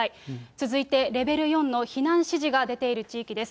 続いて、レベル４の避難指示が出ている地域です。